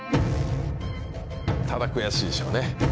ただ悔しいでしょうね